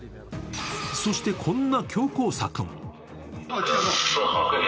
そして、こんな強硬策も。